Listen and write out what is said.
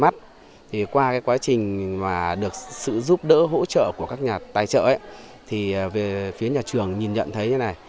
thì qua cái quá trình mà được sự giúp đỡ hỗ trợ của các nhà tài trợ ấy thì về phía nhà trường nhìn nhận thấy như thế này